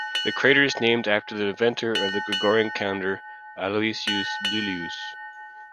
The crater is named after the inventor of the Gregorian calendar, Aloysius Lilius.